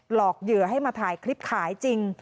หลอกเหยื่อให้มาถ่ายคลิปขายจริง